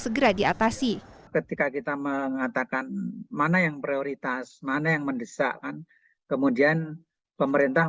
segera diatasi ketika kita mengatakan mana yang prioritas mana yang mendesak kan kemudian pemerintah